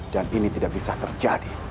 dan ini tidak bisa terjadi